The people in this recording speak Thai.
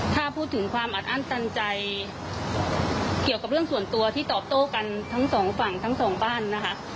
ถ้าพูดถึงความอัดอั้นตันใจเกี่ยวกับเรื่องส่วนตัวที่ตอบโต้กันทั้งสองฝั่งทั้งสองบ้านนะคะ